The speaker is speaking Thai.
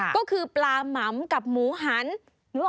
ก็คือปลาหม่ำกับหมูหัน